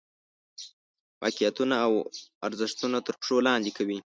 واقعیتونه او ارزښتونه تر پښو لاندې کوي.